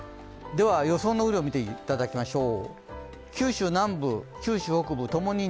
予想の雨量を見ていただきましょう。